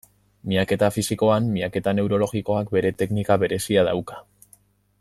Miaketa fisikoan, miaketa neurologikoak bere teknika berezia dauka.